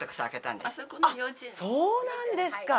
あっそうなんですか！